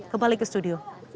kembali ke studio